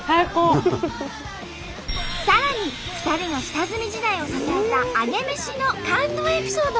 さらに２人の下積み時代を支えたアゲメシの感動エピソードも。